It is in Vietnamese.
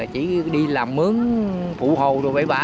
chỉ đi làm mướn phụ hồ